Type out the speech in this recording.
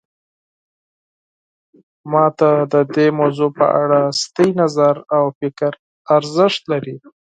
ما ته د دې موضوع په اړه ستاسو نظر او فکر ډیر ارزښت لري